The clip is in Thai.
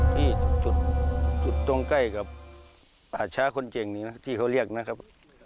ที่จุดตรงใกล้กับป่าช้าคนเก่งนี้นะที่เขาเรียกนะครับ